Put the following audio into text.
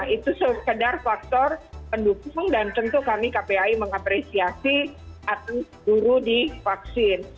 itu sekedar faktor pendukung dan tentu kami kpai mengapresiasi atas guru di vaksin